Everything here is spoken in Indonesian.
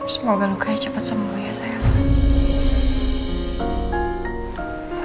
semoga lo kayak cepet sembuh ya sayang